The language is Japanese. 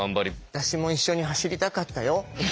私も一緒に走りたかったよ。